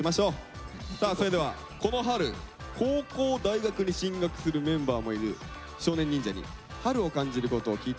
さあそれではこの春高校大学に進学するメンバーもいる少年忍者に春を感じることを聞いていきましょう。